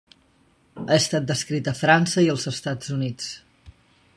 Ha estat descrita a França i als Estats Units.